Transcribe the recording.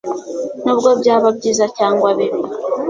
nubwo byaba byiza cyangwa bibi